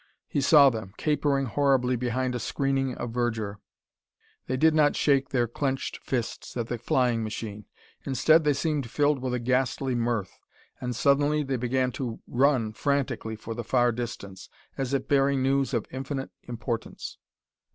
He saw them, capering horribly behind a screening of verdure. They did not shake their clenched fists at the flying machine. Instead, they seemed filled with a ghastly mirth. And suddenly they began to run frantically for the far distance, as if bearing news of infinite importance.